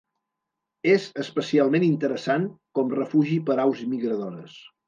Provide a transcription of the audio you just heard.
És especialment interessant com refugi per aus migradores.